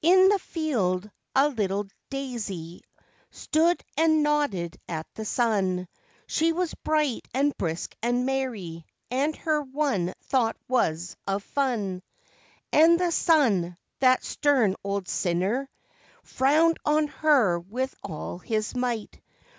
THE field a little daisy stood and nodded at the sun; She was bright and brisk and merry, and her one thought was of that And the sun, stern old sinner, frowned on her with all his might.